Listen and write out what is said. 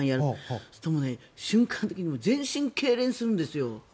そうすると瞬間的に全身がけいれんするんですよ。